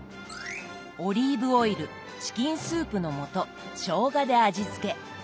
オリーブオイルチキンスープの素しょうがで味付け。